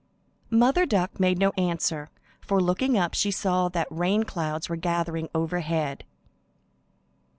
Mother Duck made no answer, for looking up she saw that rain clouds were gathering over head.